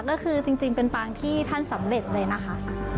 ก็คือจริงเป็นปางที่ท่านสำเร็จเลยนะคะ